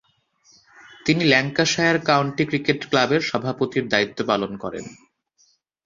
তিনি Lancashire county cricket ক্লাবের সভাপতির দায়িত্ব পালন করেন।